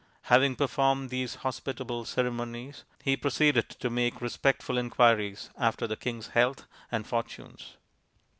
Having performed these hospitable ceremonies he proceeded to make respectful inquiries after the king's health and fortunes.